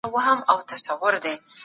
داسې خلګ ارزښتونو ته پام نه کوي.